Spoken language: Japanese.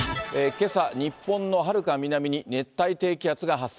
けさ、日本のはるか南に熱帯低気圧が発生。